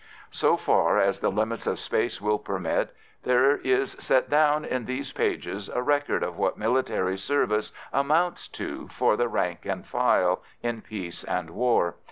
So far as the limits of space will permit, there is set down in these pages a record of what military service amounts to for the rank and file, in peace and war.